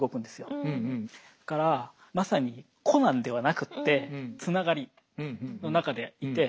だからまさに個なんではなくてつながりの中でいて。